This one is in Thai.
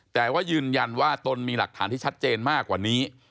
แต่ว่ายืนยันว่าตนมีหลักฐานที่ชัดเจนมากกว่านี้